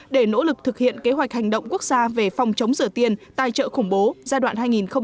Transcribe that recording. để nỗ lực thực hiện kế hoạch hành động quốc gia về phòng chống rửa tiền tài trợ khủng bố giai đoạn hai nghìn một mươi năm hai nghìn hai mươi